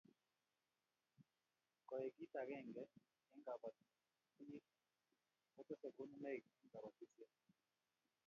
koek kit akenge eng' kabatiek ko tese konunaik eng' kabatishiet